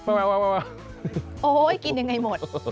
โอ้โหกินยังไงหมด